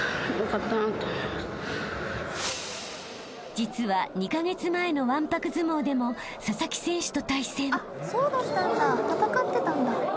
［実は２カ月前のわんぱく相撲でも佐々木選手と対戦］